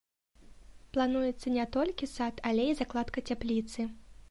Плануецца не толькі сад, але і закладка цяпліцы.